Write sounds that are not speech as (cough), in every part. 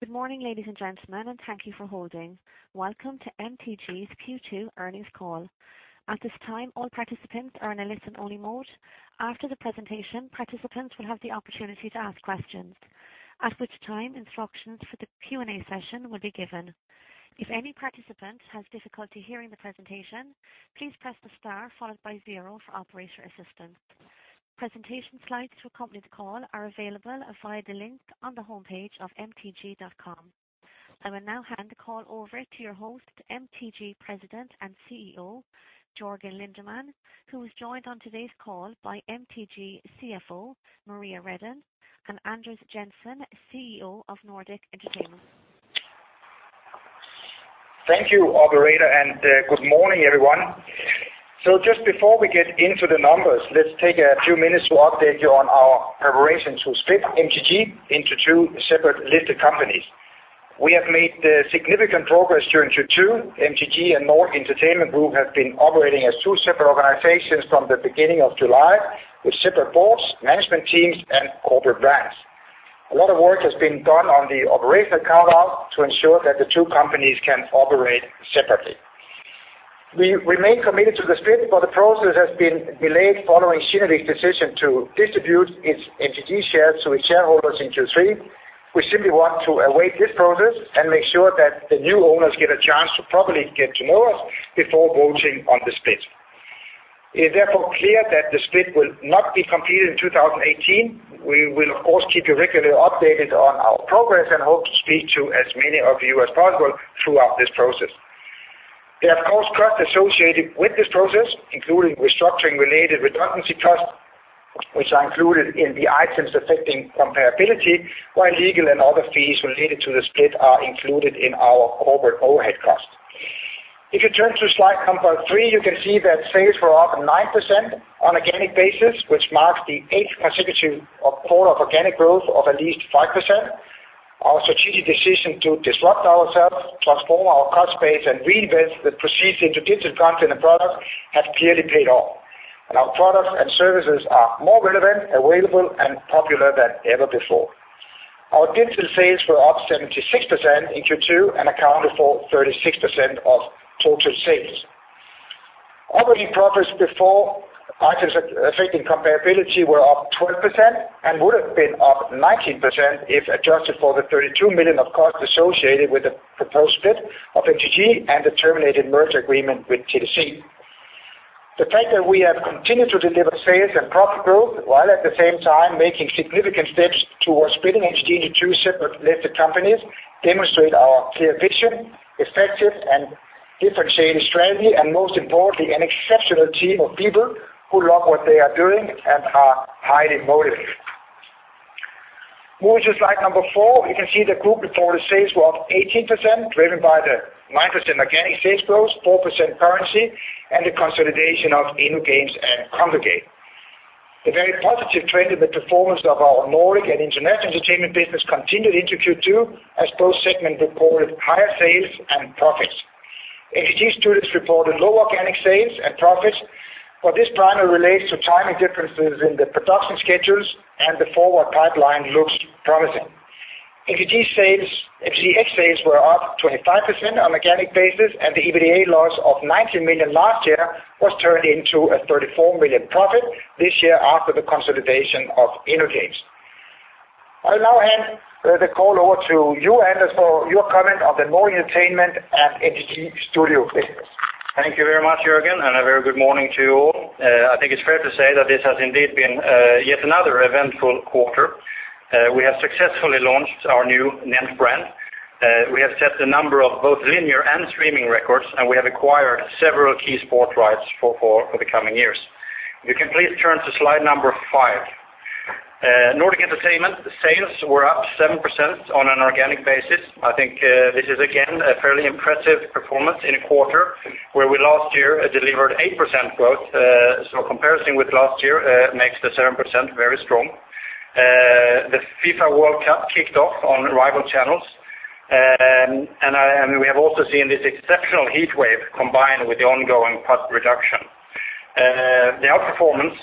Good morning, ladies and gentlemen, and thank you for holding. Welcome to MTG's Q2 earnings call. At this time, all participants are in a listen-only mode. After the presentation, participants will have the opportunity to ask questions, at which time instructions for the Q&A session will be given. If any participant has difficulty hearing the presentation, please press the star followed by zero for operator assistance. Presentation slides to accompany the call are available via the link on the homepage of mtg.com. I will now hand the call over to your host, MTG President and CEO, Jørgen Lindemann, who is joined on today's call by MTG CFO, Maria Redin, and Anders Jensen, CEO of Nordic Entertainment. Thank you, operator, good morning, everyone. Just before we get into the numbers, let's take a few minutes to update you on our preparation to split MTG into two separate listed companies. We have made significant progress during Q2. MTG and Nordic Entertainment Group have been operating as two separate organizations from the beginning of July, with separate boards, management teams, and corporate brands. A lot of work has been done on the operational cut-off to ensure that the two companies can operate separately. We remain committed to the split, the process has been delayed following Kinnevik's decision to distribute its MTG shares to its shareholders in Q3. We simply want to await this process and make sure that the new owners get a chance to properly get to know us before voting on the split. It is therefore clear that the split will not be completed in 2018. We will, of course, keep you regularly updated on our progress and hope to speak to as many of you as possible throughout this process. There are, of course, costs associated with this process, including restructuring related redundancy costs, which are included in the items affecting comparability, while legal and other fees related to the split are included in our corporate overhead costs. If you turn to slide number three, you can see that sales were up 9% on organic basis, which marks the eighth consecutive quarter of organic growth of at least 5%. Our strategic decision to disrupt ourselves, transform our cost base, and reinvest the proceeds into digital content and products have clearly paid off. Our products and services are more relevant, available, and popular than ever before. Our digital sales were up 76% in Q2 and accounted for 36% of total sales. Operating profits before items affecting comparability were up 12% and would've been up 19% if adjusted for the 32 million of costs associated with the proposed split of MTG and the terminated merger agreement with TDC. The fact that we have continued to deliver sales and profit growth while at the same time making significant steps towards splitting MTG into two separate listed companies, demonstrate our clear vision, effective and differentiated strategy, and most importantly, an exceptional team of people who love what they are doing and are highly motivated. Moving to slide number four, you can see the group reported sales were up 18%, driven by the 9% organic sales growth, 4% currency, and the consolidation of InnoGames and Kongregate. The very positive trend in the performance of our Nordic and International entertainment business continued into Q2, as both segments reported higher sales and profits. MTG Studios reported low organic sales and profits, but this primarily relates to timing differences in the production schedules and the forward pipeline looks promising. MTGx sales were up 25% on organic basis, and the EBITDA loss of 19 million last year was turned into a 34 million profit this year after the consolidation of InnoGames. I'll now hand the call over to you, Anders, for your comment on the Nordic Entertainment and MTG Studios business. Thank you very much, Jørgen, and a very good morning to you all. I think it's fair to say that this has indeed been yet another eventful quarter. We have successfully launched our new NENT brand. We have set a number of both linear and streaming records, and we have acquired several key sports rights for the coming years. If you can please turn to slide number five. Nordic Entertainment sales were up 7% on an organic basis. I think this is again, a fairly impressive performance in a quarter where we last year delivered 8% growth. Comparison with last year makes the 7% very strong. The FIFA World Cup kicked off on rival channels. We have also seen this exceptional heat wave combined with the ongoing push reduction. The outperformance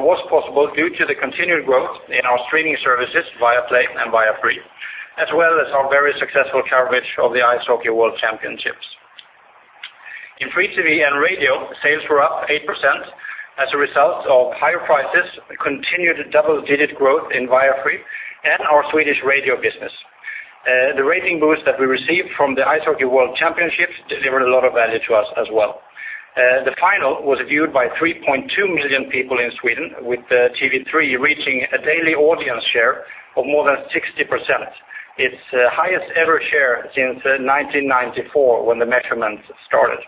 was possible due to the continued growth in our streaming services, Viaplay and Viafree, as well as our very successful coverage of the Ice Hockey World Championships. In free TV and radio, sales were up 8% as a result of higher prices, continued double-digit growth in Viafree and our Swedish radio business. The rating boost that we received from the Ice Hockey World Championships delivered a lot of value to us as well. The final was viewed by 3.2 million people in Sweden, with TV3 reaching a daily audience share of more than 60%. Its highest ever share since 1994 when the measurements started.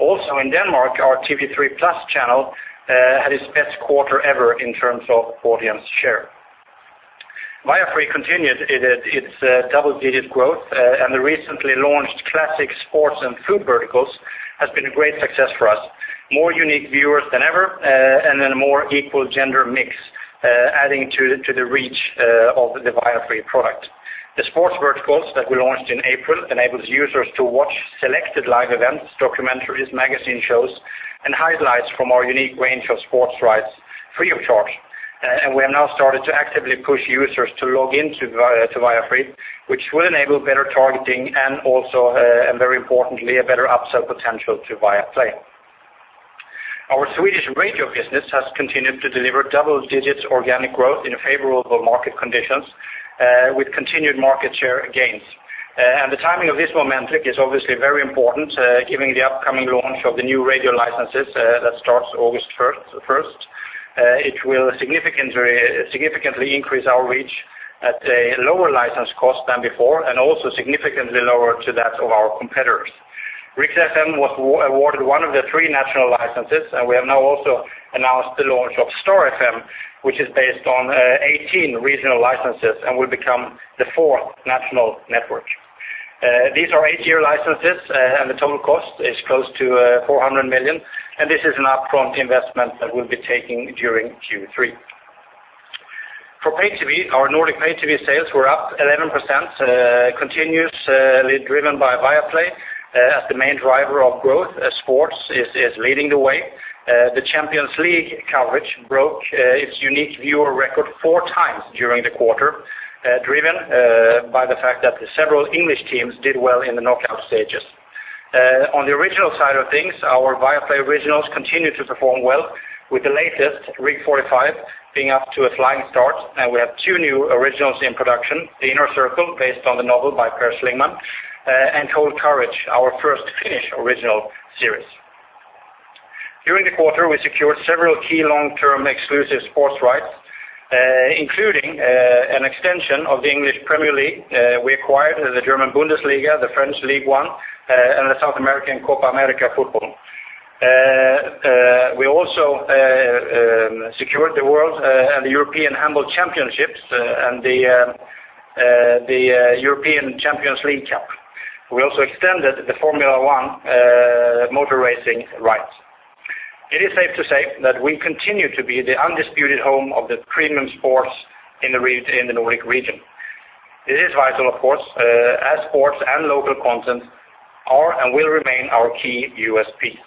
Also in Denmark, our TV3+ channel had its best quarter ever in terms of audience share. Viafree continued its double-digit growth, and the recently launched classic sports and food verticals has been a great success for us. More unique viewers than ever, and then a more equal gender mix, adding to the reach of the Viafree product. The sports verticals that we launched in April enables users to watch selected live events, documentaries, magazine shows, and highlights from our unique range of sports rights free of charge. We have now started to actively push users to log in to Viafree, which will enable better targeting and also, very importantly, a better upsell potential to Viaplay. Our Swedish radio business has continued to deliver double-digit organic growth in favorable market conditions, with continued market share gains. The timing of this momentum is obviously very important, given the upcoming launch of the new radio licenses that starts August 1st. It will significantly increase our reach at a lower license cost than before and also significantly lower to that of our competitors. Rix FM was awarded one of the three national licenses, we have now also announced the launch of Star FM, which is based on 18 regional licenses and will become the fourth national network. These are eight-year licenses, the total cost is close to 400 million, this is an upfront investment that we'll be taking during Q3. For pay TV, our Nordic pay TV sales were up 11%, continuously driven by Viaplay as the main driver of growth as sports is leading the way. The Champions League coverage broke its unique viewer record four times during the quarter, driven by the fact that several English teams did well in the knockout stages. On the original side of things, our Viaplay originals continue to perform well with the latest, "Rig 45", being off to a flying start. We have two new originals in production, "The Inner Circle", based on the novel by Per Schlingmann, and "Cold Courage", our first Finnish original series. During the quarter, we secured several key long-term exclusive sports rights, including an extension of the English Premier League. We acquired the German Bundesliga, the French Ligue 1, and the South American Copa América football. We also secured the world and the European Handball Championships and the European Champions League Cup. We also extended the Formula One motor racing rights. It is safe to say that we continue to be the undisputed home of the premium sports in the Nordic region. It is vital, of course, as sports and local content are and will remain our key USPs.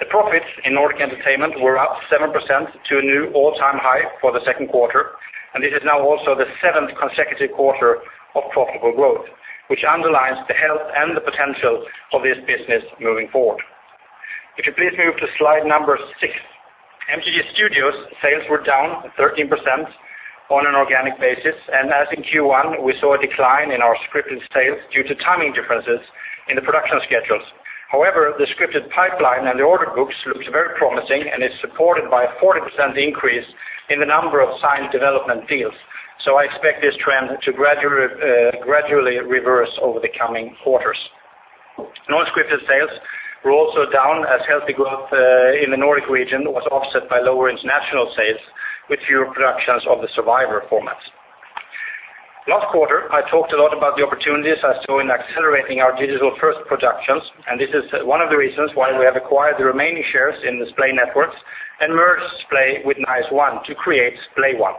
The profits in Nordic Entertainment were up seven percent to a new all-time high for the second quarter, this is now also the seventh consecutive quarter of profitable growth, which underlines the health and the potential of this business moving forward. If you please move to slide number six. MTG Studios sales were down 13% on an organic basis, as in Q1, we saw a decline in our scripted sales due to timing differences in the production schedules. However, the scripted pipeline and the order books looks very promising and is supported by a 40% increase in the number of signed development deals. I expect this trend to gradually reverse over the coming quarters. Non-scripted sales were also down as healthy growth in the Nordic region was offset by lower international sales with fewer productions of the "Survivor" formats. Last quarter, I talked a lot about the opportunities I saw in accelerating our digital-first productions, this is one of the reasons why we have acquired the remaining shares in the Splay networks and merged Splay with Nice One to create SplayOne.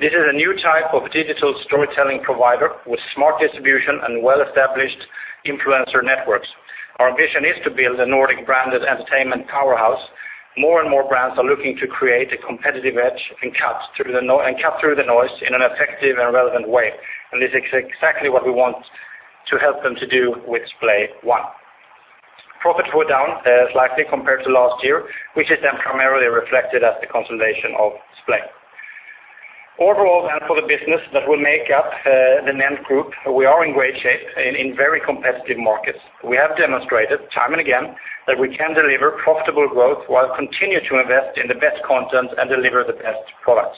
This is a new type of digital storytelling provider with smart distribution and well-established influencer networks. Our ambition is to build a Nordic-branded entertainment powerhouse. More and more brands are looking to create a competitive edge and cut through the noise in an effective and relevant way, this is exactly what we want to help them to do with SplayOne. Profits were down slightly compared to last year, which is then primarily reflected as the consolidation of Splay. For the business that will make up the NENT Group, we are in great shape in very competitive markets. We have demonstrated time and again that we can deliver profitable growth while continue to invest in the best content and deliver the best products.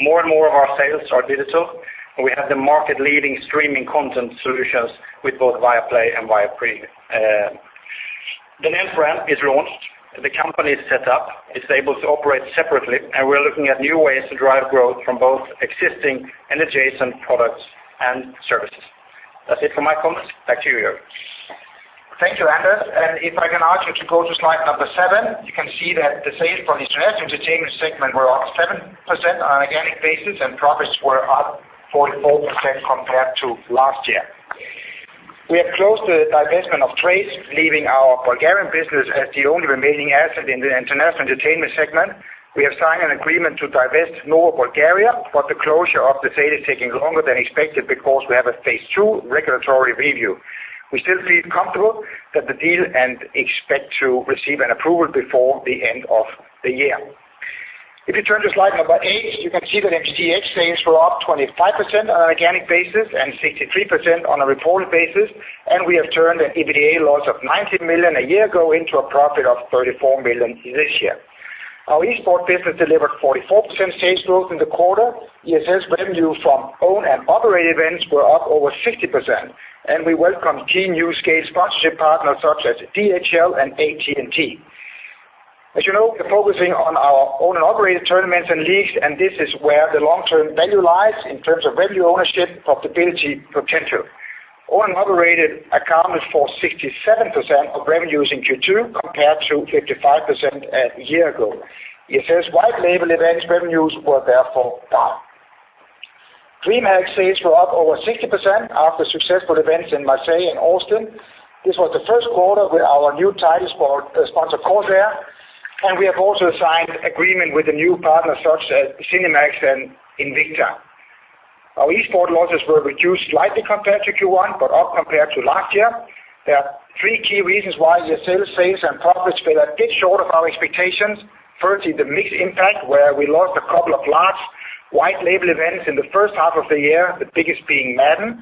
More and more of our sales are digital. We have the market-leading streaming content solutions with both Viaplay and Viafree. The NENT brand is launched, the company is set up, it's able to operate separately. We're looking at new ways to drive growth from both existing and adjacent products and services. That's it for my comments. Back to you. Thank you, Anders. If I can ask you to go to slide number seven, you can see that the sales from the International Entertainment segment were up 7% on an organic basis. Profits were up 44% compared to last year. We have closed the divestment of Trace, leaving our Bulgarian business as the only remaining asset in the International Entertainment segment. We have signed an agreement to divest Nova Bulgaria, but the closure of the sale is taking longer than expected because we have a phase two regulatory review. We still feel comfortable that the deal and expect to receive an approval before the end of the year. If you turn to slide number eight, you can see that MTG sales were up 25% on an organic basis and 63% on a reported basis. We have turned an EBITDA loss of 19 million a year ago into a profit of 34 million this year. Our esports business delivered 44% sales growth in the quarter. ESL revenue from owned and operated events were up over 60%. We welcome key new scale sponsorship partners such as DHL and AT&T. As you know, we're focusing on our owned and operated tournaments and leagues. This is where the long-term value lies in terms of revenue ownership, profitability potential. Owned and operated accounted for 67% of revenues in Q2 compared to 55% a year ago. ESL white label events revenues were therefore down. DreamHack sales were up over 60% after successful events in Marseille and Austin. This was the first quarter with our new title sponsor, Corsair. We have also signed agreement with the new partners such as Cinemax and Invicta. Our esport losses were reduced slightly compared to Q1, but up compared to last year. There are three key reasons why ESL sales and profits fell a bit short of our expectations. Firstly, the mixed impact where we lost a couple of large white label events in the first half of the year, the biggest being "Madden."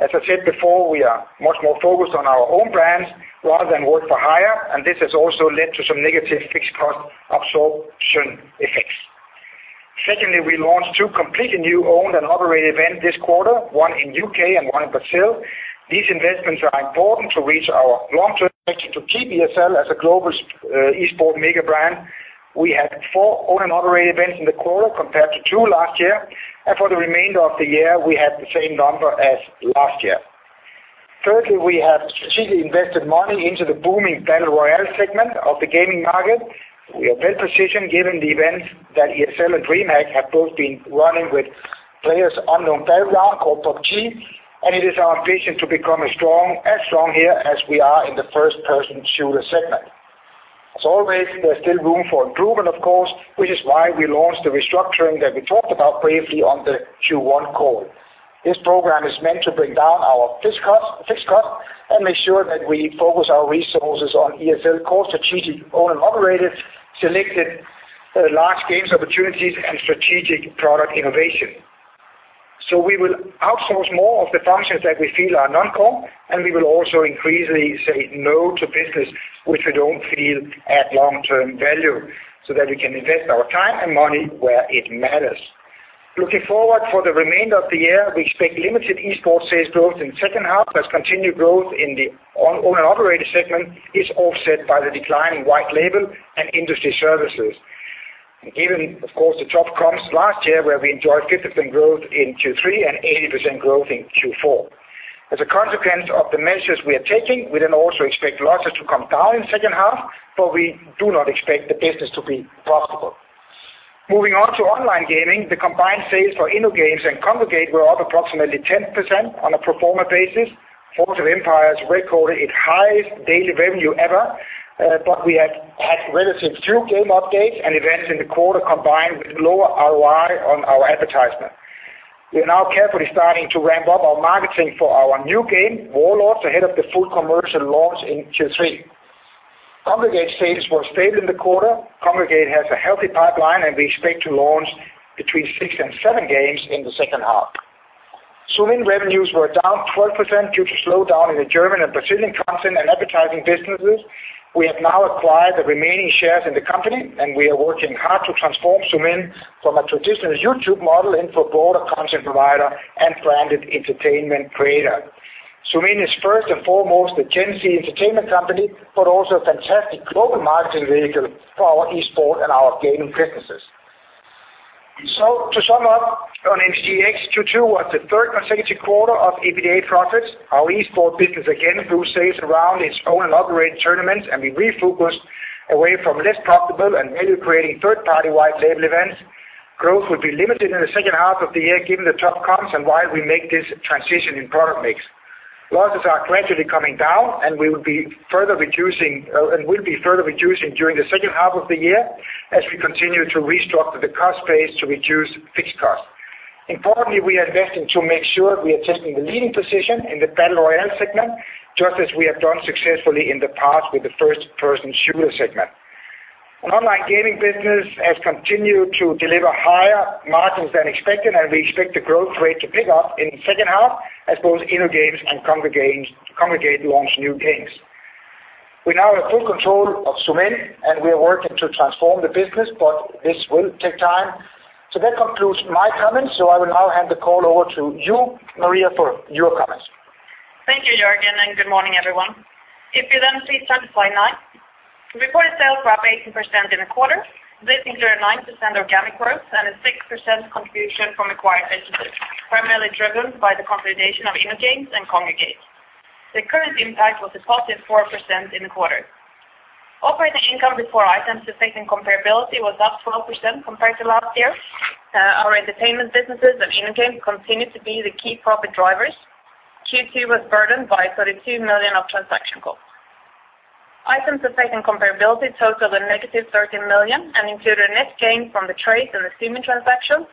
As I said before, we are much more focused on our own brands rather than work for hire. This has also led to some negative fixed cost absorption effects. Secondly, we launched two completely new owned and operated events this quarter, one in U.K. and one in Brazil. These investments are important to reach our long-term objective to keep ESL as a global esport mega brand. We had 4 owned and operated events in the quarter compared to two last year, and for the remainder of the year, we had the same number as last year. We have strategically invested money into the booming battle royale segment of the gaming market. We are well-positioned given the events that ESL and DreamHack have both been running with PlayerUnknown's Battlegrounds or PUBG, and it is our ambition to become as strong here as we are in the first-person shooter segment. As always, there is still room for improvement, of course, which is why we launched the restructuring that we talked about briefly on the Q1 call. This program is meant to bring down our fixed cost and make sure that we focus our resources on ESL core strategic owned and operated, selected large games opportunities, and strategic product innovation. We will outsource more of the functions that we feel are non-core, and we will also increasingly say no to business which we do not feel add long-term value so that we can invest our time and money where it matters. Looking forward for the remainder of the year, we expect limited esport sales growth in the second half as continued growth in the owned and operated segment is offset by the decline in white label and industry services. Given, of course, the tough comps last year, where we enjoyed 50% growth in Q3 and 80% growth in Q4. As a consequence of the measures we are taking, we then also expect losses to come down in the second half, but we do not expect the business to be profitable. Moving on to online gaming, the combined sales for InnoGames and Kongregate were up approximately 10% on a pro forma basis. Forge of Empires recorded its highest daily revenue ever, but we had had relatively few game updates and events in the quarter combined with lower ROI on our advertisement. We are now carefully starting to ramp up our marketing for our new game, Warlords, ahead of the full commercial launch in Q3. Kongregate sales were stable in the quarter. Kongregate has a healthy pipeline, and we expect to launch between six and seven games in the second half. Zoomin.TV revenues were down 12% due to slowdown in the German and Brazilian content and advertising businesses. We have now acquired the remaining shares in the company, and we are working hard to transform Zoomin.TV from a traditional YouTube model into a broader content provider and branded entertainment creator. Zoomin.TV is first and foremost a Gen Z entertainment company, but also a fantastic global marketing vehicle for our esport and our gaming businesses. To sum up, on MTGx, Q2 was the third consecutive quarter of EBITDA profits. Our esport business again grew sales around its owned and operated tournaments, and we refocused away from less profitable and value-creating third-party white label events. Growth will be limited in the second half of the year given the tough comps and while we make this transition in product mix. Losses are gradually coming down, and we will be further reducing during the second half of the year as we continue to restructure the cost base to reduce fixed costs. Importantly, we are investing to make sure we are taking the leading position in the battle royale segment, just as we have done successfully in the past with the first-person shooter segment. Online gaming business has continued to deliver higher margins than expected, and we expect the growth rate to pick up in the second half as both InnoGames and Kongregate launch new games. We now have full control of Zoomin.TV, and we are working to transform the business, but this will take time. That concludes my comments. I will now hand the call over to you, Maria, for your comments. Thank you, Jørgen, and good morning, everyone. If you please turn to slide nine. Reported sales were up 18% in the quarter. This included a 9% organic growth and a 6% contribution from acquired businesses, primarily driven by the consolidation of InnoGames and Kongregate. The current impact was a positive 4% in the quarter. Operating income before items affecting comparability was up 12% compared to last year. Our entertainment businesses of InnoGames continue to be the key profit drivers. Q2 was burdened by €32 million of transaction costs. Items affecting comparability totaled a negative €13 million and included a net gain from the trades in the Zoomin.TV transaction,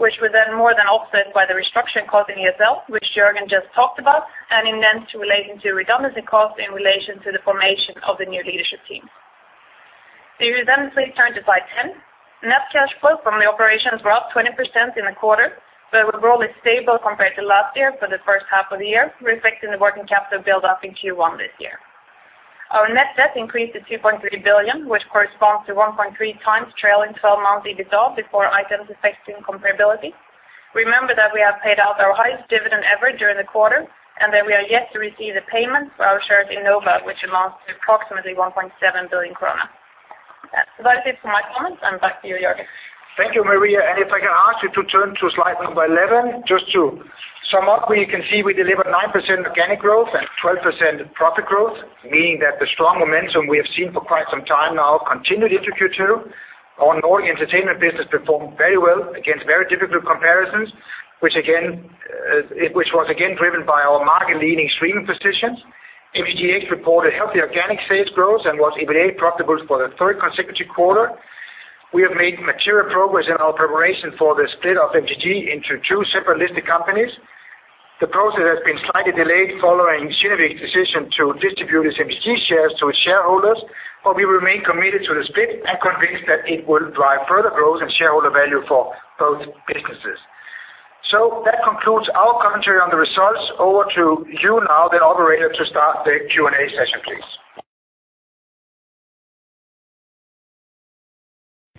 which were then more than offset by the restructuring cost in ESL, which Jørgen just talked about, and [then hence] relating to redundancy costs in relation to the formation of the new leadership team. If you please turn to slide 10. Net cash flow from the operations were up 20% in the quarter, but were broadly stable compared to last year for the first half of the year, reflecting the working capital buildup in Q1 this year. Our net debt increased to 2.3 billion, which corresponds to 1.3 times trailing 12-month EBITDA before items affecting comparability. Remember that we have paid out our highest dividend ever during the quarter, and that we are yet to receive the payment for our shares in Nova, which amounts to approximately 1.7 billion krona. That's it for my comments, and back to you, Jørgen. Thank you, Maria. If I can ask you to turn to slide 11, just to sum up, where you can see we delivered 9% organic growth and 12% profit growth, meaning that the strong momentum we have seen for quite some time now continued into Q2. Our Nordic Entertainment business performed very well against very difficult comparisons, which was again driven by our market-leading streaming positions. MTGx reported healthy organic sales growth and was EBITDA profitable for the third consecutive quarter. We have made material progress in our preparation for the split of MTG into two separate listed companies. The process has been slightly delayed following Kinnevik's decision to distribute its MTG shares to its shareholders, we remain committed to the split and convinced that it will drive further growth and shareholder value for both businesses. That concludes our commentary on the results. Over to you now, the operator, to start the Q&A session, please.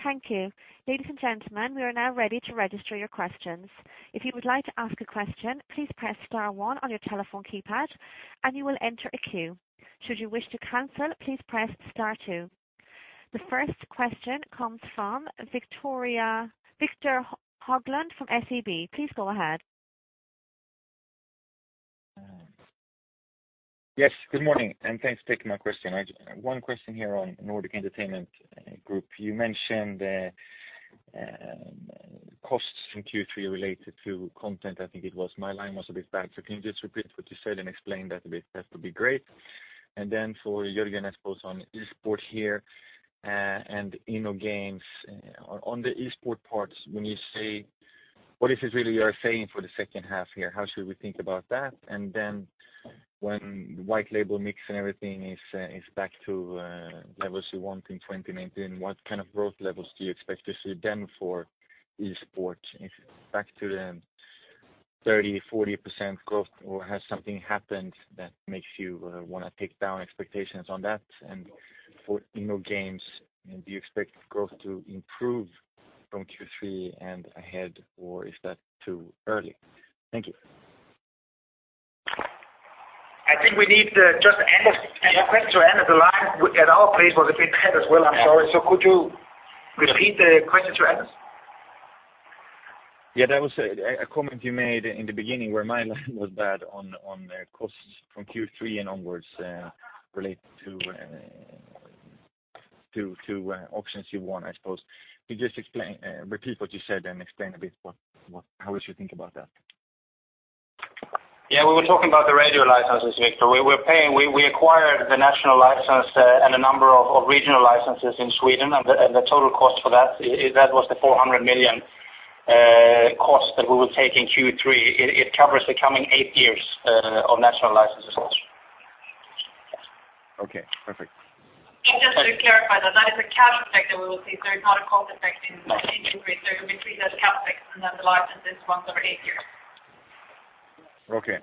Thank you. Ladies and gentlemen, we are now ready to register your questions. If you would like to ask a question, please press star one on your telephone keypad and you will enter a queue. Should you wish to cancel, please press star two. The first question comes from Victor Höglund from SEB. Please go ahead. Good morning, thanks for taking my question. One question here on Nordic Entertainment Group. You mentioned costs in Q3 related to content, I think it was. My line was a bit bad. Can you just repeat what you said and explain that a bit? That would be great. Then for Jørgen, I suppose, on esports here and InnoGames. On the esports parts, what is it really you are saying for the second half here? How should we think about that? Then when white label mix and everything is back to levels you want in 2019, what kind of growth levels do you expect to see then for esports? If it's back to the 30%, 40% growth or has something happened that makes you want to take down expectations on that? For InnoGames, do you expect growth to improve from Q3 and ahead, or is that too early? Thank you. I think we need to Anders, I have a question to Anders. The line at our place was a bit bad as well. I'm sorry. Could you repeat the question to Anders? Yeah, that was a comment you made in the beginning where my line was bad on costs from Q3 and onwards related to auctions you won, I suppose. Can you just repeat what you said and explain a bit how we should think about that? Yeah, we were talking about the radio licenses, Victor. We acquired the national license and a number of regional licenses in Sweden, and the total cost for that was the 400 million cost that we will take in Q3. It covers the coming eight years of national licenses also. Okay, perfect. Just to clarify that is a cash effect that we will see there, not a cost effect in change increase. There can be three, there's a cash effect, and then the license is once over eight years. Okay.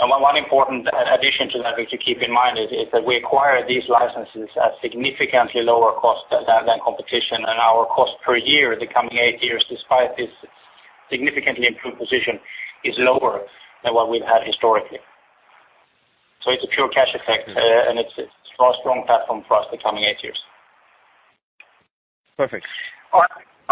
One important addition to that, Victor, to keep in mind is that we acquired these licenses at significantly lower cost than competition. Our cost per year, the coming eight years, despite this significantly improved position, is lower than what we've had historically. It's a pure cash effect, and it's a strong platform for us the coming eight years. Perfect.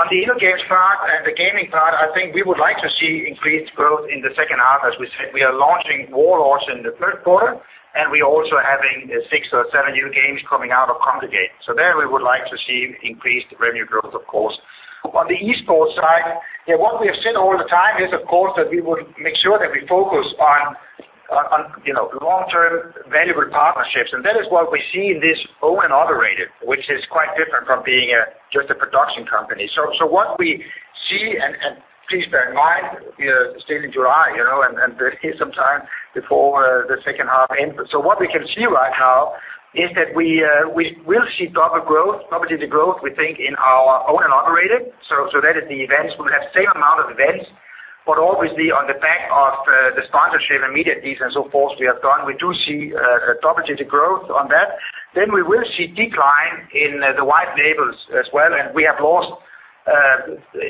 On the InnoGames part and the gaming part, I think we would like to see increased growth in the second half. As we said, we are launching Warlords in the third quarter, and we're also having six or seven new games coming out of Kongregate. There we would like to see increased revenue growth, of course. On the esports side, what we have said all the time is, of course, that we would make sure that we focus on long-term valuable partnerships. That is what we see in this owned and operated, which is quite different from being just a production company. What we see, and please bear in mind, we are still in July, and there is some time before the second half ends. What we can see right now is that we will see double-digit growth, we think, in our owned and operated. That is the events. We'll have the same amount of events, but obviously on the back of the sponsorship and media deals and so forth we have done, we do see double-digit growth on that. We will see decline in the white labels as well, and we have lost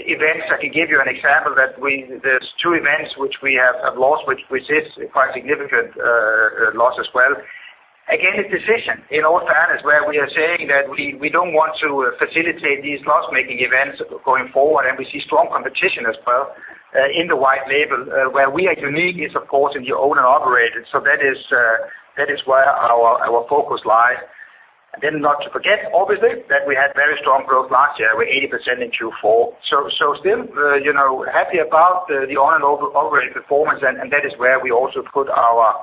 events. I can give you an example that there's two events which we have lost, which is quite a significant loss as well. Again, a decision in all fairness, where we are saying that we don't want to facilitate these loss-making events going forward, and we see strong competition as well in the white label. Where we are unique is, of course, in the owned and operated. That is where our focus lies. Not to forget, obviously, that we had very strong growth last year. We were 80% in Q4. Still happy about the owned and operated performance, and that is where we also put our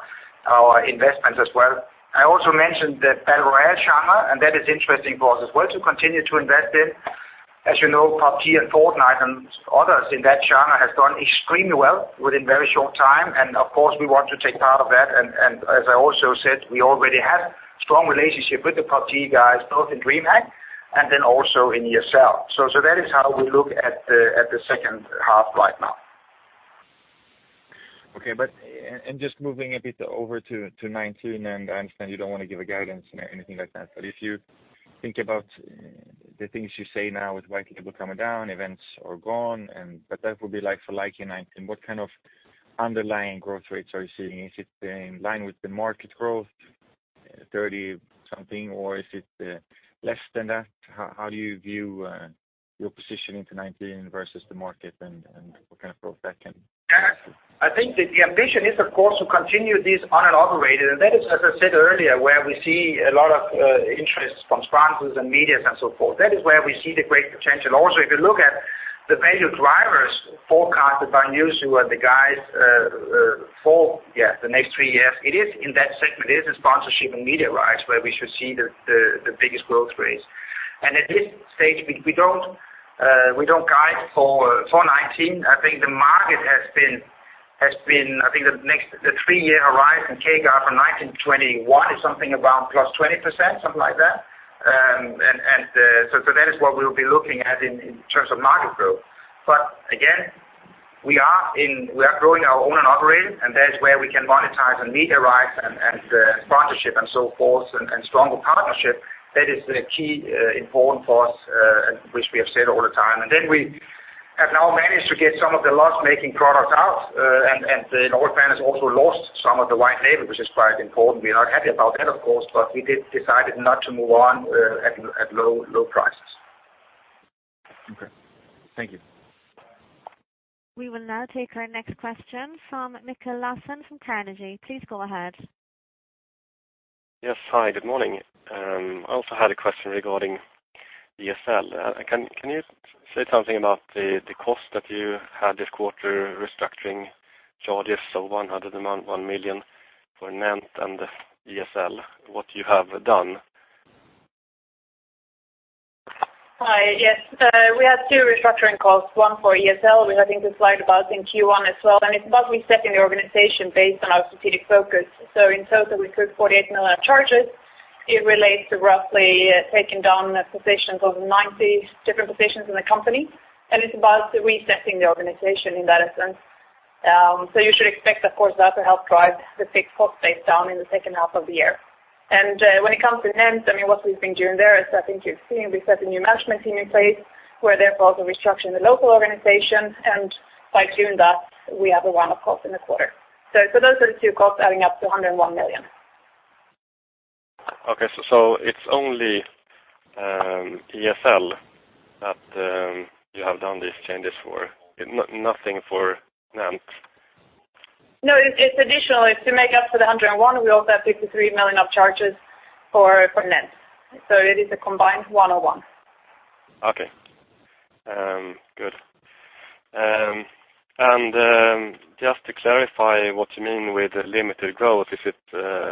investments as well. I also mentioned the battle royale genre, and that is interesting for us as well to continue to invest in. As you know, PUBG and Fortnite and others in that genre has done extremely well within a very short time, and of course, we want to take part of that. As I also said, we already have a strong relationship with the PUBG guys, both in DreamHack and then also in ESL. That is how we look at the second half right now. Okay. Just moving a bit over to 2019, I understand you don't want to give a guidance or anything like that, if you think about The things you say now with white label coming down, events are gone, that would be like for like in 2019. What kind of underlying growth rates are you seeing? Is it in line with the market growth, 30 something, or is it less than that? How do you view your position into 2019 versus the market and what kind of growth that can- I think that the ambition is, of course, to continue this owned and operated, and that is, as I said earlier, where we see a lot of interest from sponsors and medias and so forth. That is where we see the great potential. Also, if you look at the value drivers forecasted by Newzoo and the guys for the next three years, it is in that segment, is the sponsorship and media rights, where we should see the biggest growth rates. At this stage, we don't guide for 2019. I think the three-year horizon CAGR from 2019 to 2021 is something around plus 20%, something like that. That is what we'll be looking at in terms of market growth. Again, we are growing our owned and operated, and that is where we can monetize on media rights and sponsorship and so forth, and stronger partnership. That is the key important for us, which we have said all the time. We have now managed to get some of the loss-making products out, and (audio distortion) also lost some of the white label, which is quite important. We are not happy about that, of course, we did decide not to move on at low prices. Okay. Thank you. We will now take our next question from Mikael Laséen from Carnegie. Please go ahead. Yes, hi. Good morning. I also had a question regarding ESL. Can you say something about the cost that you had this quarter restructuring charges? 101 million for NENT and ESL, what you have done. Hi. Yes. We had two restructuring costs, one for ESL. We had things to slide about in Q1 as well. It's about resetting the organization based on our strategic focus. In total, we took 48 million charges. It relates to roughly taking down positions, over 90 different positions in the company, and it's about resetting the organization in that sense. You should expect, of course, that to help drive the fixed cost base down in the second half of the year. When it comes to NENT, what we've been doing there is, I think you've seen, we set the new management team in place. We're therefore also restructuring the local organization, and by doing that, we have a one-off cost in the quarter. Those are the two costs adding up to 101 million. Okay. It's only ESL that you have done these changes for, nothing for NENT? No, it's additional. To make up for the 101, we also had 53 million of charges for NENT. It is a combined 101. Okay. Good. Just to clarify what you mean with limited growth, is it 5%,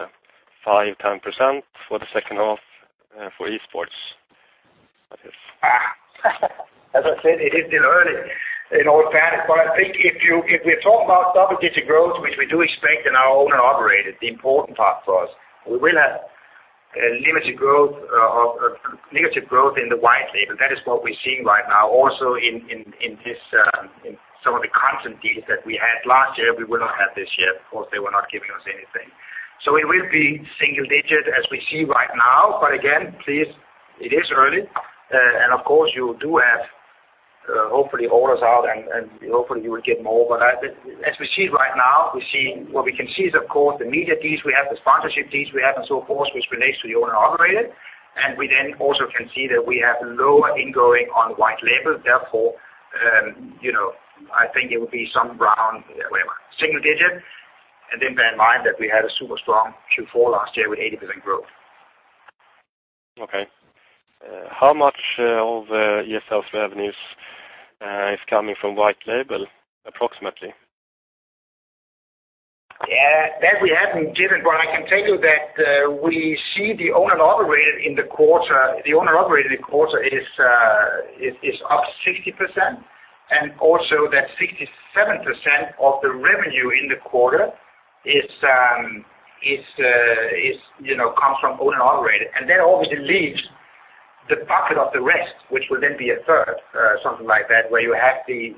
10% for the second half for esports? I said, it is still early in all that. I think if we're talking about double-digit growth, which we do expect in our owned and operated, the important part for us, we will have negative growth in the white label. That is what we're seeing right now. In some of the content deals that we had last year, we will not have this year. Of course, they were not giving us anything. It will be single-digit as we see right now. Again, please, it is early, and of course, you do have, hopefully orders out and hopefully you will get more. As we see right now, what we can see is, of course, the media deals we have, the sponsorship deals we have, and so forth, which relates to the owned and operated, and we then also can see that we have lower ingoing on white label. I think it will be some round, whatever, single-digit, and then bear in mind that we had a super strong Q4 last year with 80% growth. Okay. How much of ESL's revenues is coming from white label, approximately? That we haven't given, I can tell you that we see the owned and operated in the quarter is up 60%, and also that 67% of the revenue in the quarter comes from owned and operated. Then obviously leaves the bucket of the rest, which will then be a third, something like that, where you have the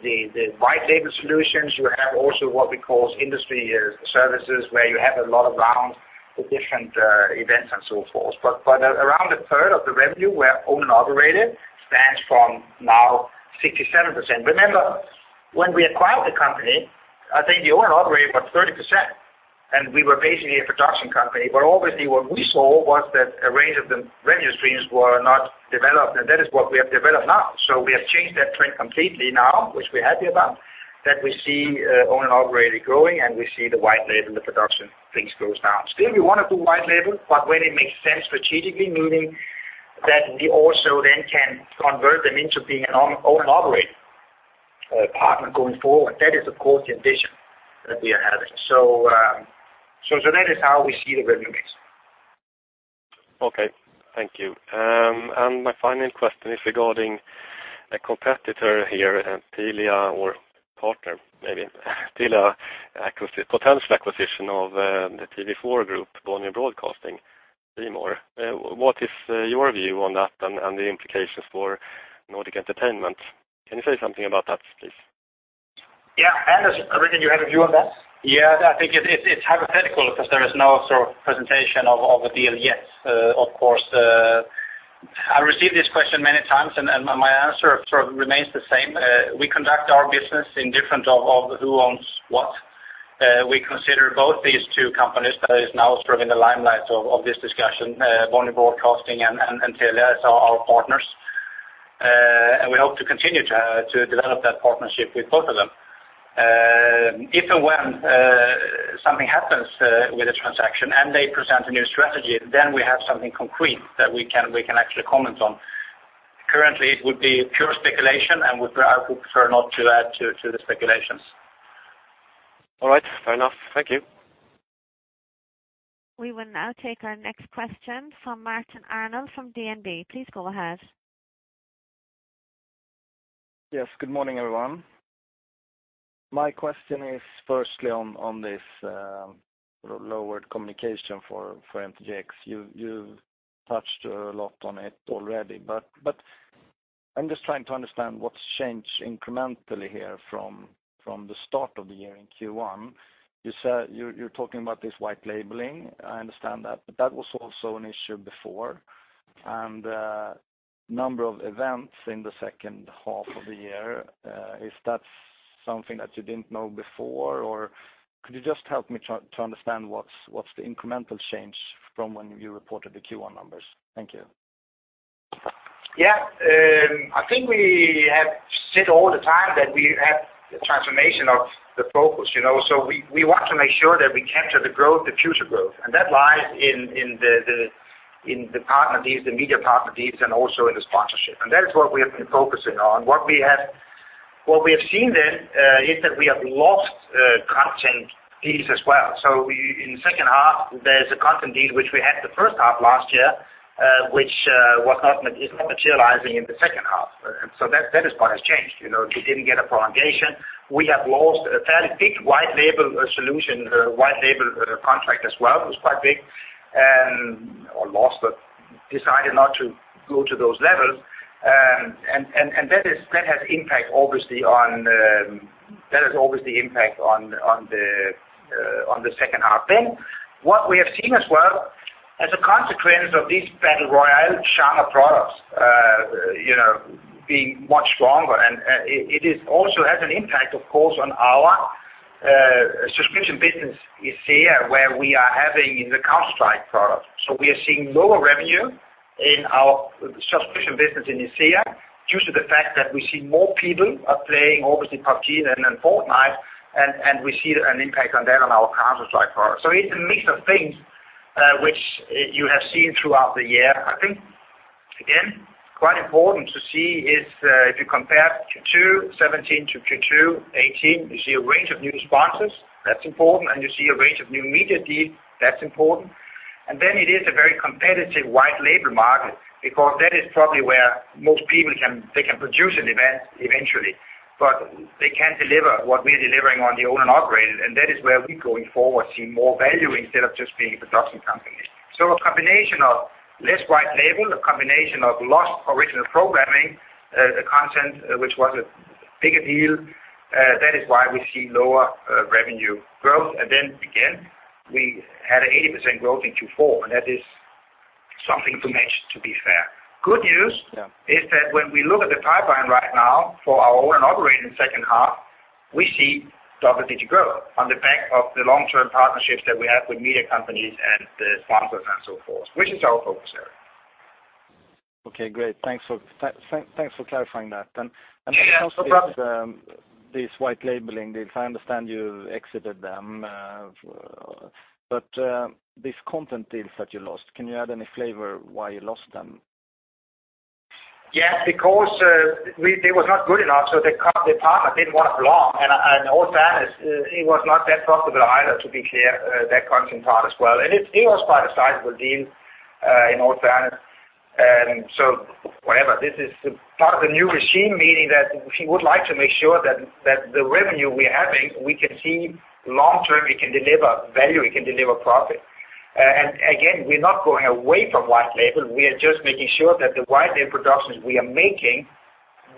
white label solutions. You have also what we call industry services, where you have a lot of round with different events and so forth. Around a third of the revenue where owned and operated stands from now 67%. Remember, when we acquired the company, I think the owned and operated was 30%, and we were basically a production company. Obviously what we saw was that a range of the revenue streams were not developed, and that is what we have developed now. We have changed that trend completely now, which we're happy about, that we see owned and operated growing, and we see the white label, the production things goes down. We want to do white label, but when it makes sense strategically, meaning that we also then can convert them into being an owned and operated partner going forward. That is, of course, the ambition that we are having. That is how we see the revenue mix. Okay. Thank you. My final question is regarding a competitor here and Telia or partner, maybe Telia potential acquisition of the TV4 group, Bonnier Broadcasting, C More. What is your view on that and the implications for Nordic Entertainment? Can you say something about that, please? Anders, I reckon you have a view on that? I think it's hypothetical because there is no presentation of a deal yet, of course. I receive this question many times, my answer sort of remains the same. We conduct our business indifferent of who owns what. We consider both these two companies that is now in the limelight of this discussion, Bonnier Broadcasting and Telia, as our partners. We hope to continue to develop that partnership with both of them. If and when something happens with the transaction and they present a new strategy, we have something concrete that we can actually comment on. Currently, it would be pure speculation, I would prefer not to add to the speculations. All right. Fair enough. Thank you. We will now take our next question from Martin Arnell from DNB. Please go ahead. Yes. Good morning, everyone. My question is firstly on this lowered communication for MTGx. You touched a lot on it already, but I'm just trying to understand what's changed incrementally here from the start of the year in Q1. You're talking about this white labeling. I understand that, but that was also an issue before, and the number of events in the second half of the year, is that something that you didn't know before, or could you just help me to understand what's the incremental change from when you reported the Q1 numbers? Thank you. Yeah. I think we have said all the time that we have the transformation of the focus. We want to make sure that we capture the future growth. That lies in the media partner deals and also in the sponsorship. That is what we have been focusing on. What we have seen then is that we have lost content deals as well. In the second half, there's a content deal which we had the first half last year, which is not materializing in the second half. That part has changed. We didn't get a prolongation. We have lost a fairly big white label solution, white label contract as well. It was quite big, or lost but decided not to go to those levels. That has obviously impact on the second half. What we have seen as well, as a consequence of this battle royale genre products being much stronger. It also has an impact, of course, on our subscription business in SEA, where we are having in the Counter-Strike product. We are seeing lower revenue in our subscription business in SEA due to the fact that we see more people are playing obviously PUBG and then Fortnite, and we see an impact on that on our Counter-Strike product. It's a mix of things, which you have seen throughout the year. I think, again, quite important to see is if you compare Q2 2017 to Q2 2018, you see a range of new sponsors. That's important. You see a range of new media deals. That's important. It is a very competitive white label market because that is probably where most people can produce an event eventually, but they can't deliver what we're delivering on the owned and operated, and that is where we going forward see more value instead of just being a production company. A combination of less white label, a combination of lost original programming, content, which was a bigger deal, that is why we see lower revenue growth. Again, we had an 80% growth in Q4, and that is something to mention, to be fair. Good news. Yeah is that when we look at the pipeline right now for our owned and operated second half, we see double-digit growth on the back of the long-term partnerships that we have with media companies and the sponsors and so forth, which is our focus area. Okay, great. Thanks for clarifying that. No problem. These white label deals, I understand you exited them. These content deals that you lost, can you add any flavor why you lost them? Because they were not good enough, the partner didn't want to belong. In all fairness, it was not that profitable either, to be clear, that content part as well. It was quite a sizable deal, in all fairness. Whatever, this is part of the new regime, meaning that we would like to make sure that the revenue we are having, we can see long-term it can deliver value, it can deliver profit. Again, we're not going away from white label. We are just making sure that the white label productions we are making,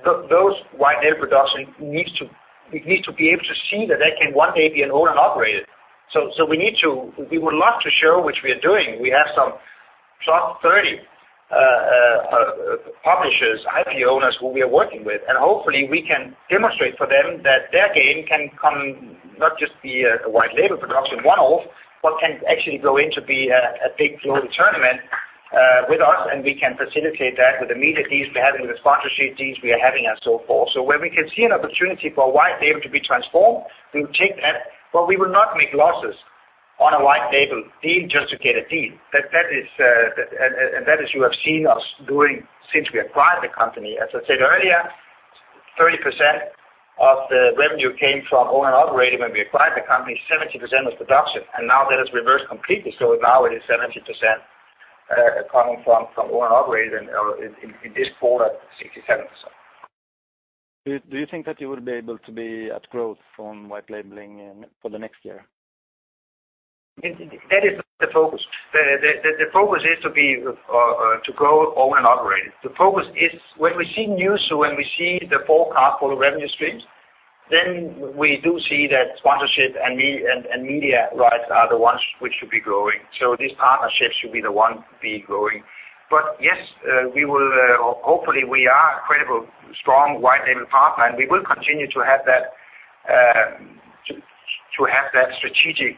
those white label production, we need to be able to see that they can one day be an owned and operated. We would love to show, which we are doing, we have some 30 publishers, IP owners who we are working with. Hopefully we can demonstrate for them that their game can not just be a white label production one-off, but can actually grow into be a big global tournament with us. We can facilitate that with the media deals we're having, the sponsorship deals we are having, and so forth. Where we can see an opportunity for a white label to be transformed, we will take that. We will not make losses on a white label deal just to get a deal. That is you have seen us doing since we acquired the company. As I said earlier, 30% of the revenue came from owned and operated when we acquired the company, 70% was production, now that has reversed completely. It is 70% coming from owned and operated, or in this quarter, 67%. Do you think that you will be able to be at growth on white labeling for the next year? That is not the focus. The focus is to go owned and operated. The focus is when we see news, when we see the forecast for the revenue streams, then we do see that sponsorship and media rights are the ones which should be growing. These partnerships should be the ones to be growing. Yes, hopefully we are a credible, strong white label partner, and we will continue to have that strategic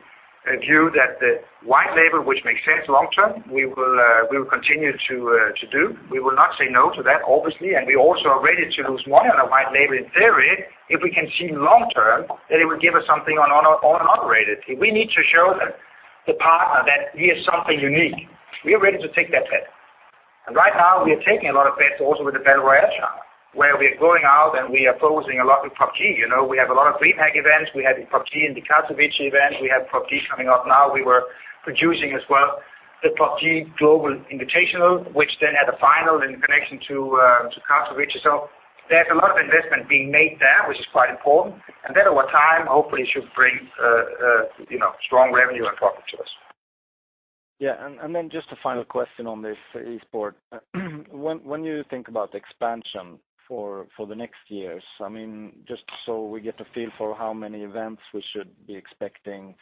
view that the white label, which makes sense long-term, we will continue to do. We will not say no to that, obviously, and we also are ready to lose money on a white label in theory, if we can see long-term that it will give us something on owned and operated. If we need to show the partner that we are something unique, we are ready to take that bet. Right now we are taking a lot of bets also with the Battle Royale channel, where we are going out and we are posing a lot with PUBG. We have a lot of (audio distortion) events. We had the PUBG and the [Castle Beach] event. We have PUBG coming up now. We were producing as well the PUBG Global Invitational, which then had a final in connection to [Castle Beach] itself. There is a lot of investment being made there, which is quite important, and that over time hopefully should bring strong revenue and profit to us. Yeah, just a final question on this Esports. When you think about expansion for the next years, just so we get a feel for how many events we should be expecting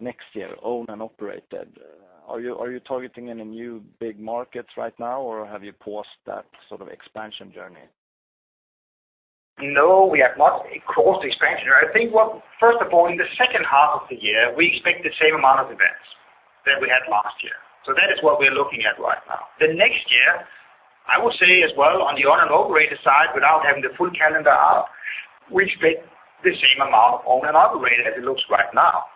next year, owned and operated, are you targeting any new big markets right now, or have you paused that sort of expansion journey? No, we have not paused the expansion. I think, first of all, in the second half of the year, we expect the same amount of events that we had last year. That is what we are looking at right now. The next year, I will say as well on the owned and operated side, without having the full calendar out, we expect the same amount of owned and operated as it looks right now.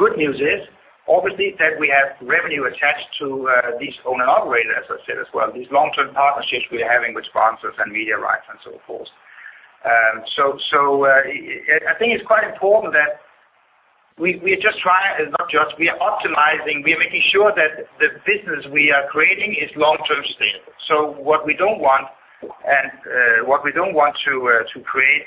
Good news is, obviously, that we have revenue attached to these owned and operated, as I said as well, these long-term partnerships we are having with sponsors and media rights and so forth. I think it's quite important that we are optimizing, we are making sure that the business we are creating is long-term sustainable. What we don't want to create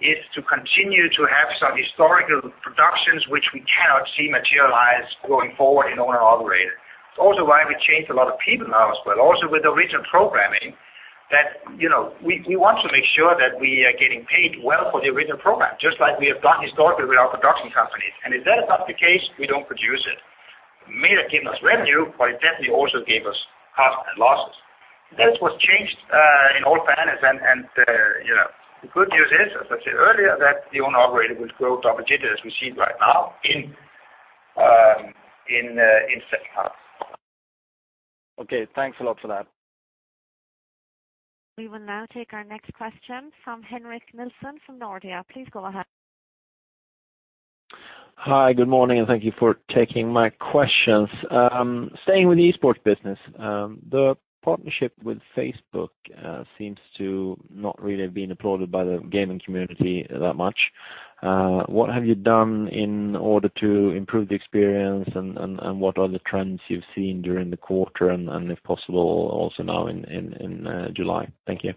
is to continue to have some historical productions which we cannot see materialize going forward in owned and operated. It's also why we changed a lot of people now as well, also with original programming, that we want to make sure that we are getting paid well for the original program, just like we have done historically with our production companies. If that is not the case, we don't produce it. It may have given us revenue, but it definitely also gave us cost and losses. That is what's changed in all fairness, the good news is, as I said earlier, that the owned operated will grow double digits as we see it right now in the second half. Okay, thanks a lot for that. We will now take our next question from Henrik Nilsson from Nordea. Please go ahead. Hi, good morning, thank you for taking my questions. Staying with the Esports business, the partnership with Facebook seems to not really have been applauded by the gaming community that much. What have you done in order to improve the experience, what are the trends you've seen during the quarter, and if possible, also now in July? Thank you.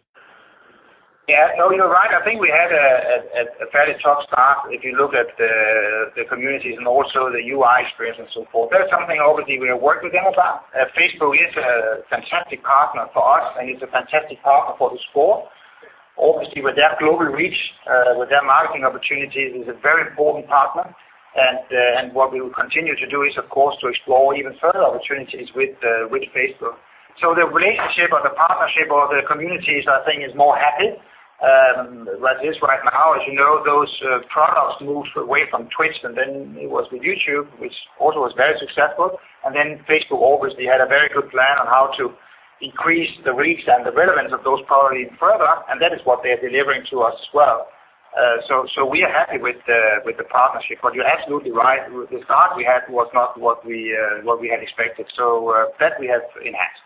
No, you're right. I think we had a fairly tough start if you look at the communities and also the UI experience and so forth. That's something obviously we are working with them about. Facebook is a fantastic partner for us, it's a fantastic partner for the score. Obviously, with their global reach, with their marketing opportunities, it's a very important partner, what we will continue to do is, of course, to explore even further opportunities with Facebook. The relationship or the partnership or the communities, I think, is more happy as it is right now. As you know, those products moved away from Twitch, it was with YouTube, which also was very successful, Facebook obviously had a very good plan on how to increase the reach and the relevance of those probably even further, that is what they are delivering to us as well. We are happy with the partnership. You're absolutely right, the start we had was not what we had expected, so that we have enhanced.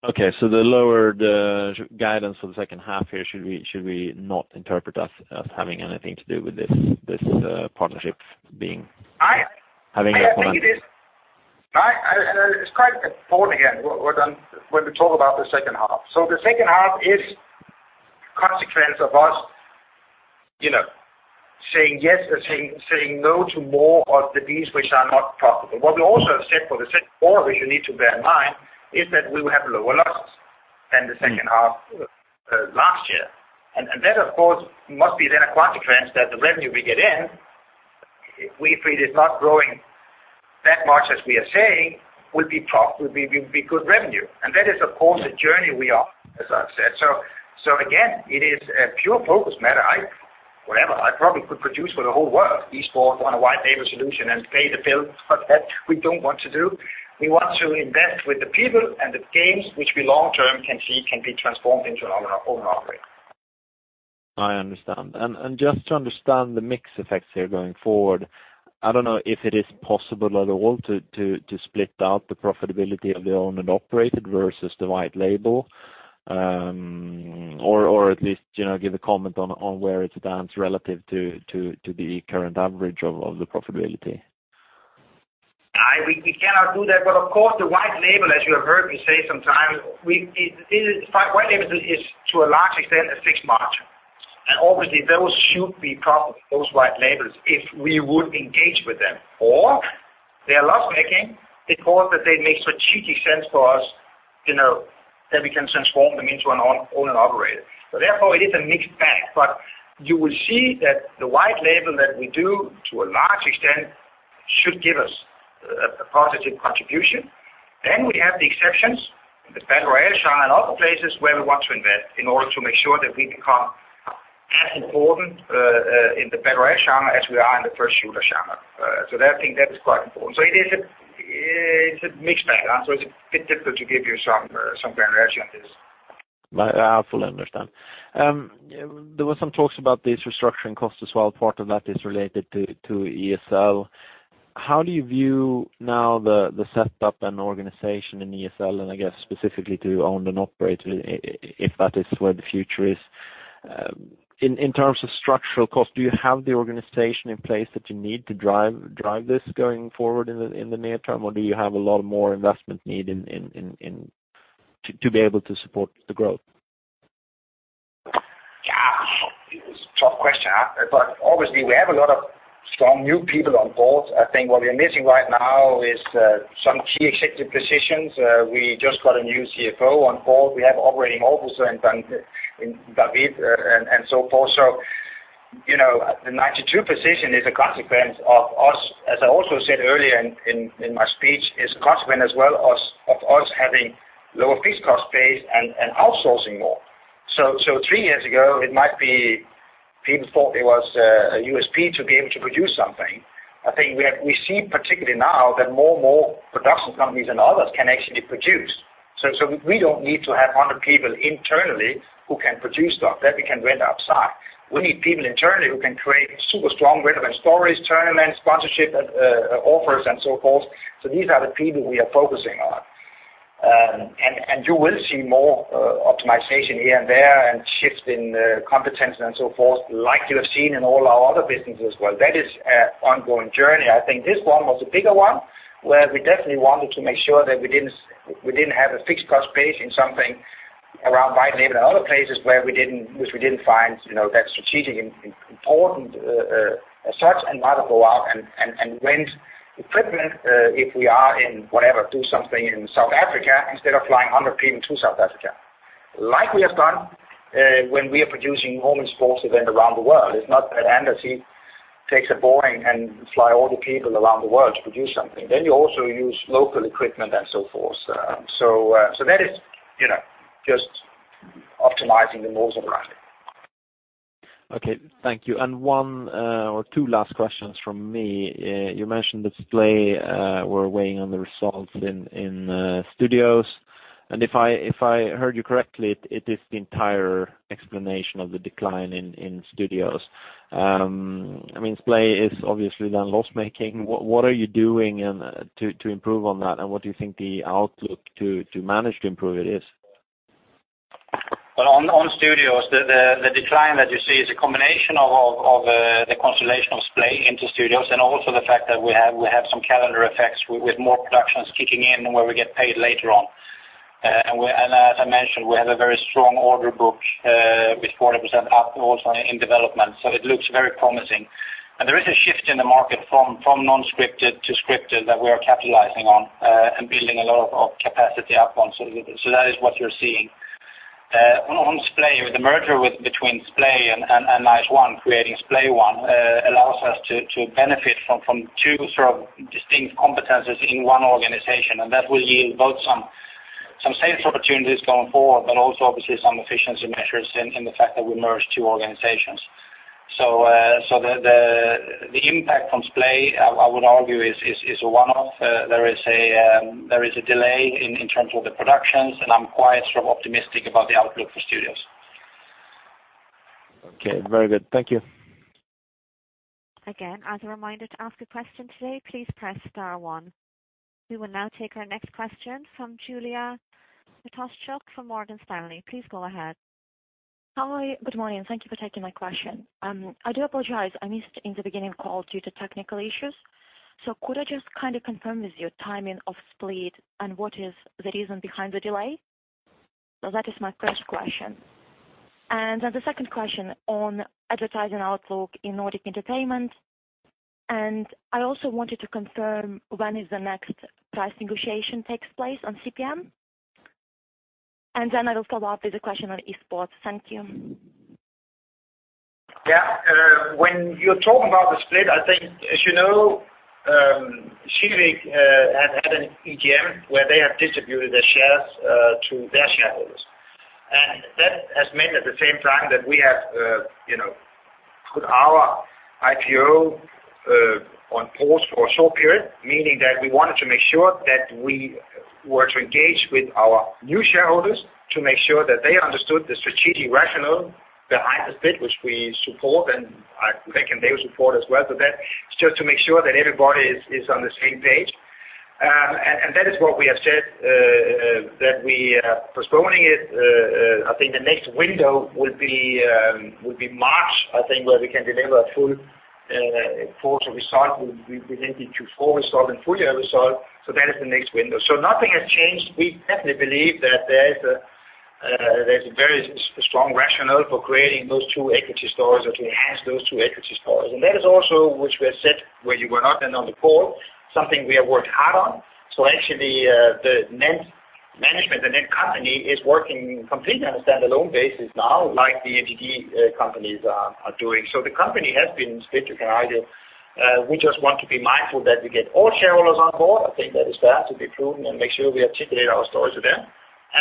The lowered guidance for the second half here, should we not interpret as having anything to do with this partnership being? I think it is. having a. It's quite important here when we talk about the second half. The second half is a consequence of us saying yes or saying no to more of the deals which are not profitable. What we also have said for the second quarter, which you need to bear in mind, is that we will have lower losses than the second half last year. That, of course, must be then a consequence that the revenue we get in, if it is not growing that much as we are saying, will be good revenue. That is, of course, the journey we are, as I've said. Again, it is a pure focus matter. Whatever, I probably could produce for the whole world, esports on a white label solution and pay the bill, but that we don't want to do. We want to invest with the people and the games which we long-term can see can be transformed into an owned and operated. I understand. Just to understand the mix effects here going forward, I don't know if it is possible at all to split out the profitability of the owned and operated versus the white label, or at least give a comment on where it stands relative to the current average of the profitability. We cannot do that. Of course, the white label, as you have heard me say sometimes, white label is to a large extent a fixed margin. Obviously those should be profitable, those white labels, if we would engage with them, or they are loss-making because they make strategic sense for us, that we can transform them into an owned and operated. Therefore it is a mixed bag, but you will see that the white label that we do to a large extent should give us a positive contribution. We have the exceptions in the battle royale genre and other places where we want to invest in order to make sure that we become as important in the battle royale genre as we are in the first-person shooter genre. I think that is quite important. It is a mixed bag. It's a bit difficult to give you some variation on this. I fully understand. There were some talks about the restructuring cost as well. Part of that is related to ESL. How do you view now the setup and organization in ESL and I guess specifically to owned and operated, if that is where the future is. In terms of structural cost, do you have the organization in place that you need to drive this going forward in the near term? Do you have a lot more investment need to be able to support the growth? Yeah. It's a tough question. Obviously, we have a lot of strong new people on board. I think what we are missing right now is some key executive positions. We just got a new CFO on board. We have operating officer in David and so forth. The 92 position is a consequence of us, as I also said earlier in my speech, is a consequence as well of us having lower fixed cost base and outsourcing more. Three years ago, it might be people thought it was a USP to be able to produce something. I think we see particularly now that more production companies and others can actually produce. We don't need to have 100 people internally who can produce stuff, that we can rent outside. We need people internally who can create super strong relevant stories, tournaments, sponsorship offers, and so forth. These are the people we are focusing on. You will see more optimization here and there and shifts in competence and so forth, like you have seen in all our other businesses. Well, that is an ongoing journey. I think this one was a bigger one, where we definitely wanted to make sure that we didn't have a fixed cost base in something around white label and other places which we didn't find that strategic and important as such, and rather go out and rent equipment, if we are, whatever, do something in South Africa instead of flying 100 people to South Africa. Like we have done when we are producing home sports event around the world. It's not that Anders, he takes a Boeing and fly all the people around the world to produce something. You also use local equipment and so forth. That is just optimizing the models around it. Okay. Thank you. One or two last questions from me. You mentioned that Splay were weighing on the results in Studios. If I heard you correctly, it is the entire explanation of the decline in Studios. Splay is obviously then loss-making. What are you doing to improve on that, and what do you think the outlook to manage to improve it is? Well, on Studios, the decline that you see is a combination of the constellation of Splay into Studios and also the fact that we have some calendar effects with more productions kicking in where we get paid later on. As I mentioned, we have a very strong order book with 40% up also in development, so it looks very promising. There is a shift in the market from non-scripted to scripted that we are capitalizing on and building a lot of capacity up on. That is what you're seeing. On Splay, the merger between Splay and Nice One, creating SplayOne allows us to benefit from two sort of distinct competencies in one organization, that will yield both some sales opportunities going forward, but also obviously some efficiency measures in the fact that we merged two organizations. The impact from Splay, I would argue, is a one-off. There is a delay in terms of the productions, I'm quite sort of optimistic about the outlook for Studios. Okay. Very good. Thank you. Again, as a reminder, to ask a question today, please press star one. We will now take our next question from Yulia Matsenko from Morgan Stanley. Please go ahead. Hi. Good morning. Thank you for taking my question. I do apologize, I missed in the beginning of call due to technical issues. Could I just confirm with you timing of split and what is the reason behind the delay? That is my first question. Then the second question on advertising outlook in Nordic Entertainment. I also wanted to confirm when is the next price negotiation takes place on CPM. Then I will follow up with a question on esports. Thank you. When you're talking about the split, I think as you know, Kinnevik had an EGM where they have distributed their shares to their shareholders. That has meant at the same time that we have put our IPO on pause for a short period, meaning that we wanted to make sure that we were to engage with our new shareholders to make sure that they understood the strategic rationale behind the split, which we support and I think they will support as well. That is just to make sure that everybody is on the same page. That is what we have said that we are postponing it. I think the next window will be March, I think, where we can deliver a full For the result will be presented full [quarter] and full year result. That is the next window. Nothing has changed. We definitely believe that there's a very strong rationale for creating those two equity stories or to enhance those two equity stories. That is also which we have said, where you were not then on the call, something we have worked hard on. Actually, the NENT management, the NENT company, is working completely on a standalone basis now, like the NENT companies are doing. The company has been split, you can argue. We just want to be mindful that we get all shareholders on board. I think that is fair, to be prudent and make sure we articulate our story to them.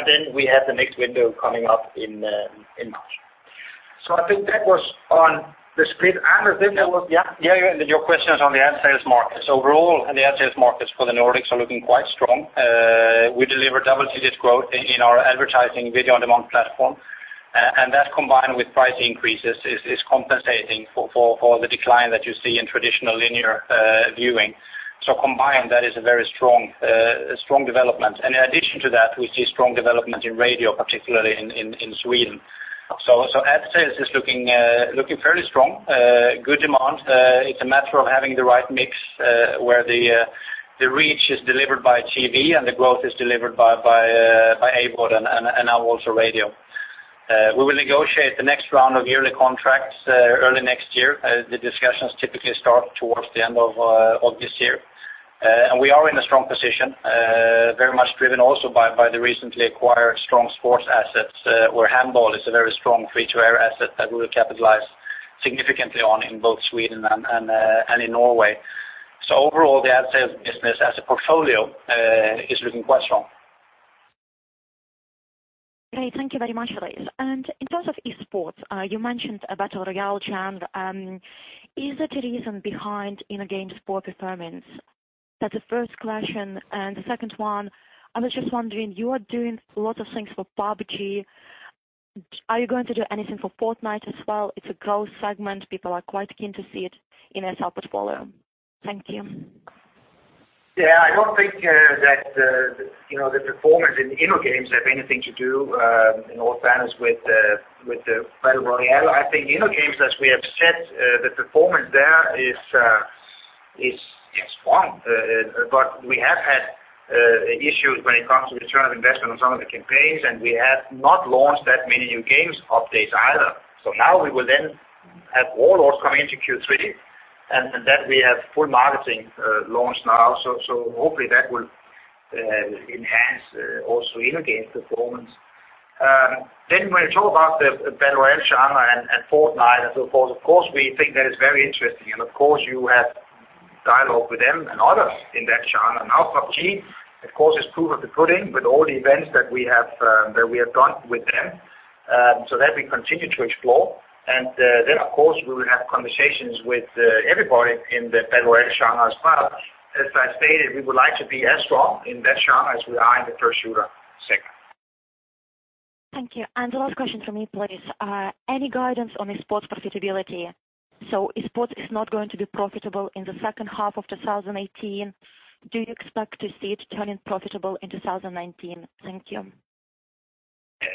Then we have the next window coming up in March. I think that was on the split and I think that was. Yeah. Your question is on the ad sales markets. Overall, the ad sales markets for the Nordics are looking quite strong. We delivered double-digit growth in our advertising video-on-demand platform. That combined with price increases is compensating for the decline that you see in traditional linear viewing. Combined, that is a very strong development. In addition to that, we see strong development in radio, particularly in Sweden. Ad sales is looking fairly strong. Good demand. It's a matter of having the right mix, where the reach is delivered by TV and the growth is delivered by AVOD and now also radio. We will negotiate the next round of yearly contracts early next year. The discussions typically start towards the end of this year. We are in a strong position, very much driven also by the recently acquired strong sports assets, where handball is a very strong free-to-air asset that we will capitalize significantly on in both Sweden and in Norway. Overall, the ad sales business as a portfolio is looking quite strong. Great. Thank you very much for this. In terms of esports, you mentioned a battle royale trend. Is there a reason behind InnoGame's poor performance? That's the first question. The second one, I was just wondering, you are doing a lot of things for PUBG. Are you going to do anything for Fortnite as well? It's a growth segment. People are quite keen to see it in a sales portfolio. Thank you. Yeah, I don't think that the performance in InnoGames have anything to do in all fairness with the battle royale. I think InnoGames, as we have said, the performance there is strong. We have had issues when it comes to return on investment on some of the campaigns, and we have not launched that many new games updates either. Now we will then have Warlords coming into Q3, and that we have full marketing launch now. Hopefully that will enhance also InnoGames performance. When you talk about the battle royale genre and Fortnite and so forth, of course, we think that is very interesting. Of course, you have dialogue with them and others in that genre. PUBG, of course, is proof of the pudding with all the events that we have done with them. That we continue to explore. Of course, we will have conversations with everybody in the battle royale genre as well. As I stated, we would like to be as strong in that genre as we are in the first shooter segment. Thank you. The last question from me, please. Any guidance on esports profitability? Esports is not going to be profitable in the second half of 2018. Do you expect to see it turning profitable in 2019? Thank you.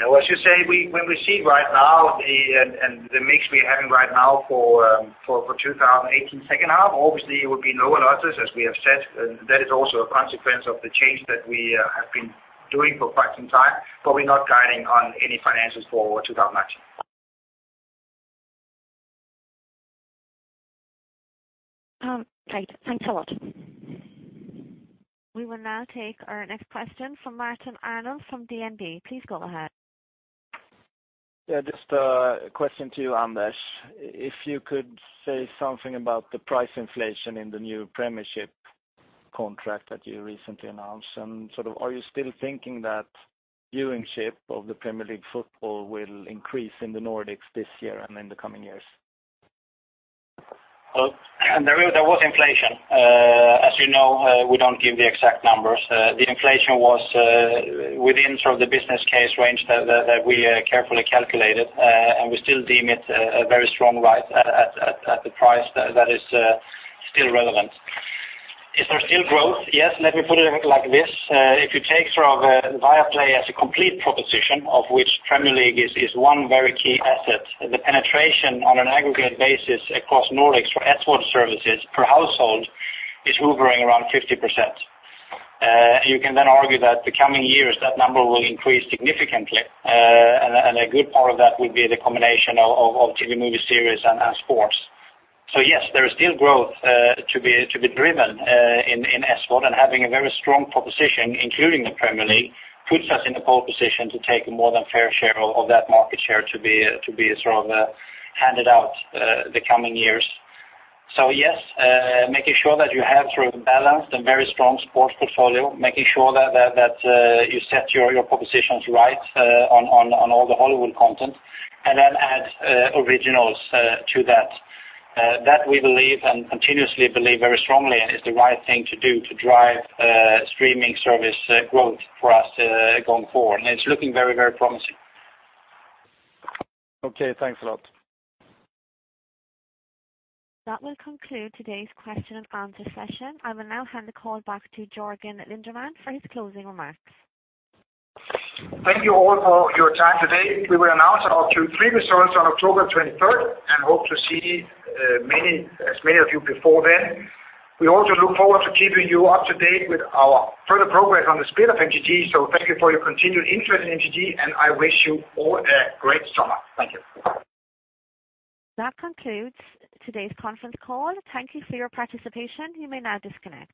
As you say, when we see right now and the mix we're having right now for 2018 second half, obviously, it would be lower losses, as we have said. That is also a consequence of the change that we have been doing for quite some time, we're not guiding on any financials for 2019. Great. Thanks a lot. We will now take our next question from Martin Arnell from DNB. Please go ahead. Yeah, just a question to you, Anders. If you could say something about the price inflation in the new Premiership contract that you recently announced, are you still thinking that viewingship of the Premier League football will increase in the Nordics this year and in the coming years? There was inflation. As you know, we don't give the exact numbers. The inflation was within sort of the business case range that we carefully calculated, we still deem it a very strong rise at the price that is still relevant. Is there still growth? Yes. Let me put it like this. If you take sort of Viaplay as a complete proposition, of which Premier League is one very key asset, the penetration on an aggregate basis across Nordics esport services per household is hovering around 50%. You can then argue that the coming years, that number will increase significantly. A good part of that will be the combination of TV movie series and sports. Yes, there is still growth to be driven in esport and having a very strong proposition, including the Premier League, puts us in the pole position to take a more than fair share of that market share to be sort of handed out the coming years. Yes, making sure that you have sort of a balanced and very strong sports portfolio, making sure that you set your propositions right on all the Hollywood content, then add originals to that. That we believe and continuously believe very strongly is the right thing to do to drive streaming service growth for us going forward. It's looking very promising. Okay, thanks a lot. That will conclude today's question and answer session. I will now hand the call back to Jørgen Lindemann for his closing remarks. Thank you all for your time today. We will announce our Q3 results on October 23rd and hope to see as many of you before then. We also look forward to keeping you up to date with our further progress on the split of MTG. Thank you for your continued interest in MTG, and I wish you all a great summer. Thank you. That concludes today's conference call. Thank you for your participation. You may now disconnect.